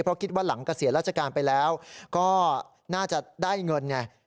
เพราะว่าหลังกเศรษฐราชกาลไปแล้วก็น่าจะได้เงินเนี่ย